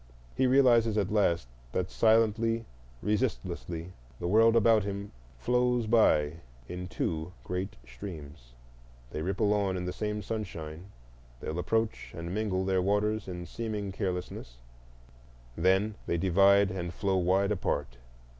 He realizes at last that silently, resistlessly, the world about flows by him in two great streams: they ripple on in the same sunshine, they approach and mingle their waters in seeming carelessness,—then they divide and flow wide apart.